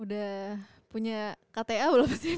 udah punya kta belum sih